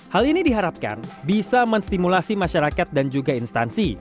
hal ini diharapkan bisa menstimulasi masyarakat dan juga instansi